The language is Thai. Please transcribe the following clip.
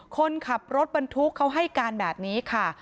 คนขับรถบรรทุกเขาให้การแบบนี้ค่ะ